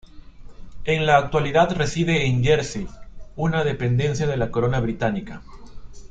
En la actualidad reside en Jersey, una dependencia de la Corona Británica.